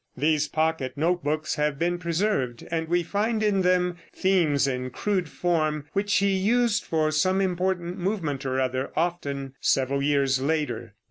These pocket note books have been preserved, and we find in them themes in crude form which he used for some important movement or other, often several years later.